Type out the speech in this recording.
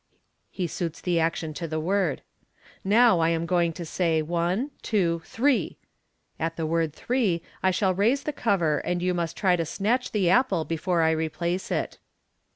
He suits the action to the word. " Now I am going to say, One, two, three ! At the word • Three * I shall raise the cover, and you must try to snatch the apple before I replace it.